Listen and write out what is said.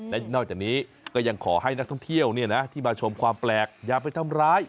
และนอกจากนี้ก็ยังขอให้นักท่องเที่ยวที่มาชมความแปลกอย่าไปทำร้าย